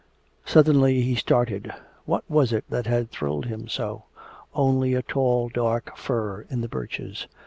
Suddenly he started. What was it that had thrilled him so? Only a tall dark fir in the birches.